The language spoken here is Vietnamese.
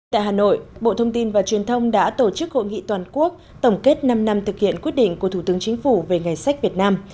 tại hà nội bộ thông tin và truyền thông đã tổ chức hội nghị toàn quốc tổng kết năm năm thực hiện quyết định của thủ tướng chính phủ về ngày sách việt nam